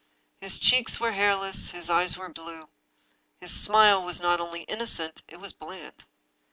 His cheeks were hair less, his eyes were blue. His smile was not only innocent, it was bland.